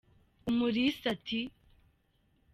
Umulisa ati: